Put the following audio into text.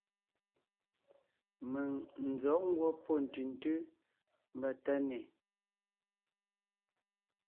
Mèŋ n zɔ̌g ngwɔ́ pɔ́ ntʉ̀ntʉ́ mbà Tánè,